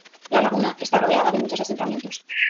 La laguna está rodeada de muchos asentamientos.